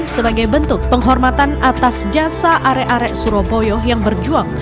sebagai bentuk penghormatan atas jasa arek arek surabaya yang berjuang